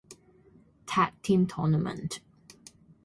Tag Team Tournament.